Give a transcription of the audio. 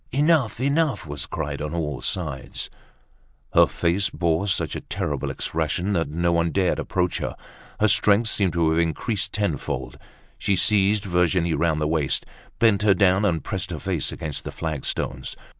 "Enough! Enough!" was cried on all sides. Her face bore such a terrible expression, that no one dared approach her. Her strength seemed to have increased tenfold. She seized Virginie round the waist, bent her down and pressed her face against the flagstones.